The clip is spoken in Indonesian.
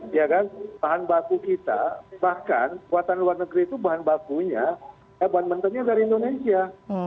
ya kan bahan baku kita bahkan buatan luar negeri itu bahan bakunya bahan mentahnya dari indonesia